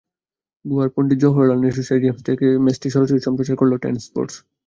গোয়ার পণ্ডিত জওহরলাল নেহরু স্টেডিয়াম থেকে ম্যাচটি সরাসরি সম্প্রচার করবে টেন স্পোর্টস।